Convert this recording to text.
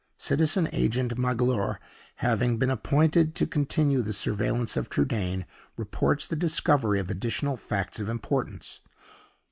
Citizen Agent Magloire having been appointed to continue the surveillance of Trudaine, reports the discovery of additional facts of importance.